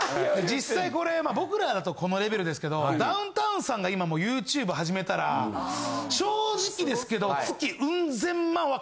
実際これ僕らだとこのレベルですけどダウンタウンさんが今ＹｏｕＴｕｂｅ始めたら正直ですけど。